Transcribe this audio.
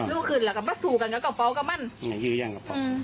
ลูกขึ้นแล้วก็มาสู่กันกับกระเป๋ากับมันอืม